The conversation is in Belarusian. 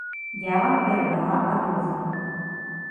Я вам перадала адозвы.